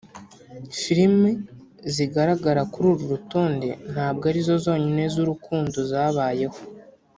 Filime zigaragara kuri uru rutonde ntabwo ari zo zonyine z’urukundo zabayeho